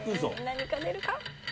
何か出るか？